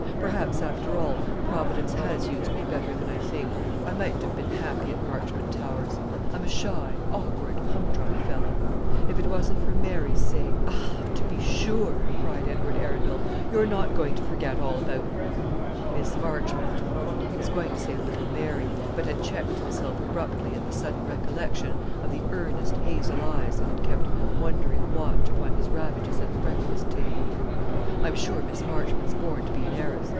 Perhaps, after all, Providence has used me better than I think. I mightn't have been happy at Marchmont Towers. I'm a shy, awkward, humdrum fellow. If it wasn't for Mary's sake " "Ah, to be sure!" cried Edward Arundel. "You're not going to forget all about Miss Marchmont!" He was going to say "little Mary," but had checked himself abruptly at the sudden recollection of the earnest hazel eyes that had kept wondering watch upon his ravages at the breakfast table. "I'm sure Miss Marchmont's born to be an heiress.